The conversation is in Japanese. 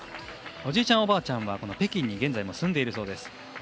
おじいちゃん、おばあちゃんは現在も北京に住んでいるそうです。